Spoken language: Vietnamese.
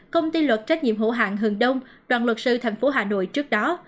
công ty luật trách nhiệm hữu hạng hường đông đoàn luật sư thành phố hà nội trước đó